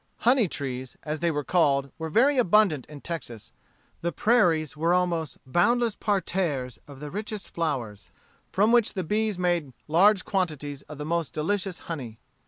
Honey trees, as they were called, were very abundant in Texas The prairies were almost boundless parterres of the richest flowers, from which the bees made large quantities of the most delicious honey.